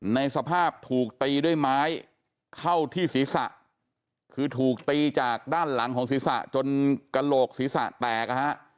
ในสภาพถูกตีด้วยไม้เข้าที่ศีรษะคือถูกตีจากด้านหลังของศีรษะจนกระโหลกศีรษะแตกนะฮะ